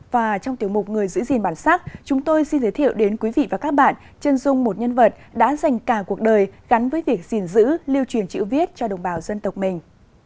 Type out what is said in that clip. và trong tiểu mục người giữ gìn bản sắc chúng tôi xin giới thiệu đến quý vị và các bạn chân dung một nhân vật đã dành cả cuộc đời gắn với việc gìn giữ lưu truyền chữ viết cho đồng bào dân tộc mình